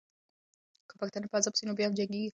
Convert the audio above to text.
که پښتانه په عذاب سي، نو بیا هم جنګېږي.